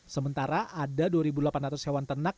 sementara ada dua delapan ratus hewan ternak